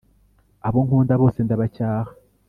Abo nkunda bose ndabacyaha,